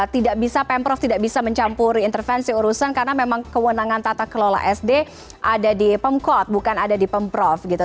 tidak bisa pemprov tidak bisa mencampuri intervensi urusan karena memang kewenangan tata kelola sd ada di pemkot bukan ada di pemprov gitu